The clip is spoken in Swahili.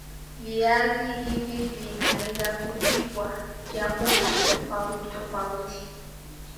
viazi hili hivi vinaweza kupikwa vyakula tofauti tofauti